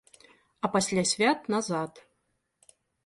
А пасля свят назад.